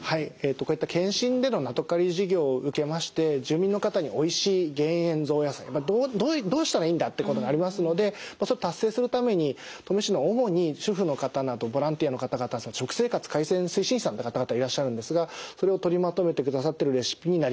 こういった健診でのナトカリ事業を受けまして住民の方においしい減塩・増野菜どうしたらいいんだってことがありますので達成するために登米市の主に主婦の方などボランティアの方々食生活改善推進者の方々がいらっしゃるんですが取りまとめてくださってるレシピになります。